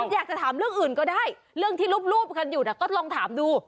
อยากจะถามเรื่องอื่นก็ได้เรื่องที่รูปกันอยู่ก็ลองถามดู